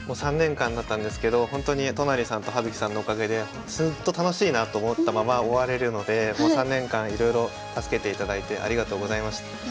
３年間だったんですけどほんとに都成さんと葉月さんのおかげでずっと楽しいなと思ったまま終われるので３年間いろいろ助けていただいてありがとうございました。